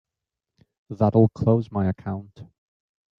That'll close my account.